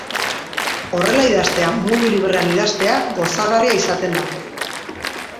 Horrela idaztea, modu librean idaztea, gozagarria izaten da.